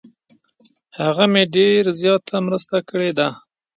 هغه مې ډیر زیاته مرسته کړې ده.